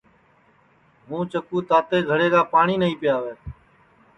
ہُوں چکُو تو تاتے گھڑے کا پاٹؔی نائیں پِیاوے